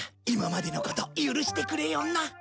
今までのこと許してくれよな。